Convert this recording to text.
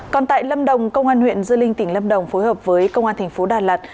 còn tại lâm đồng công an huyện dư linh tỉnh lâm đồng phối hợp với công an thành phố đà lạt